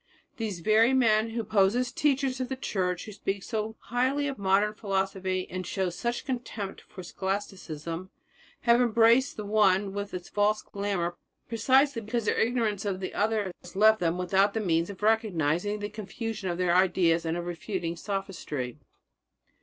These very men who pose as teachers of the Church, who speak so highly of modern philosophy and show such contempt for Scholasticism, have embraced the one with its false glamour precisely because their ignorance of the other has left them without the means of recognizing the confusion of their ideas and of refuting sophistry.